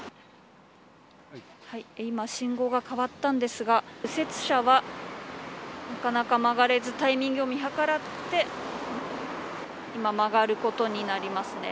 今、信号が変わったんですが右折車はなかなか曲がれずタイミングを見計らって今、曲がることになりますね。